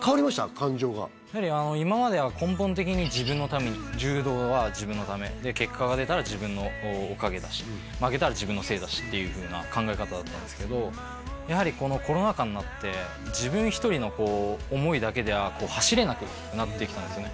感情が今までは根本的に自分のために柔道は自分のためで結果が出たら自分のおかげだし負けたら自分のせいだしっていうふうな考え方だったんですけどやはりこのコロナ禍になって自分一人の思いだけでは走れなくなってきたんですよね